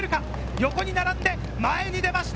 横に並んで、前に出ました。